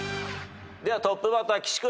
ではトップバッター岸君。